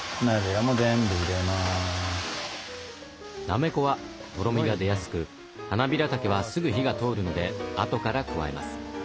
なめこはとろみが出やすくハナビラタケはすぐ火が通るのであとから加えます。